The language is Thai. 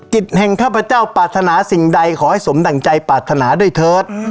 กิจแห่งข้าพเจ้าปรารถนาสิ่งใดขอให้สมดั่งใจปรารถนาด้วยเถิด